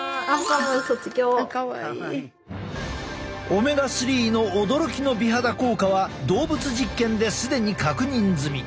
オメガ３の驚きの美肌効果は動物実験で既に確認済み。